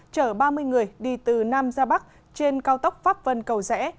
chở ba mươi người đi từ nam ra bắc trên cao tốc pháp vân cầu rẽ